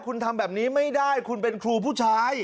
คุณทำแบบนี้ไม่ได้คุณเป็นครูผู้ชาย